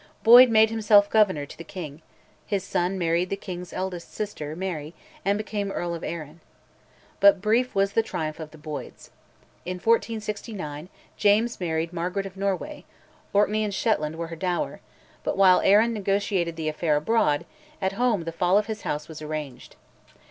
Boyd made himself Governor to the king, his son married the king's eldest sister, Mary, and became Earl of Arran. But brief was the triumph of the Boyds. In 1469 James married Margaret of Norway; Orkney and Shetland were her dower; but while Arran negotiated the affair abroad, at home the fall of his house was arranged.